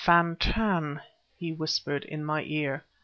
"Fan tan!" he whispered in my ear.